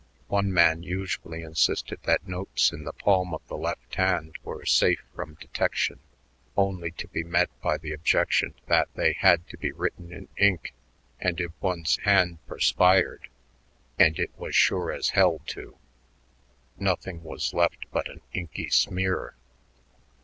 One man usually insisted that notes in the palm of the left hand were safe from detection, only to be met by the objection that they had to be written in ink, and if one's hand perspired, "and it was sure as hell to," nothing was left but an inky smear.